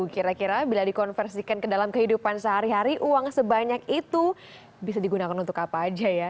kira kira bila dikonversikan ke dalam kehidupan sehari hari uang sebanyak itu bisa digunakan untuk apa aja ya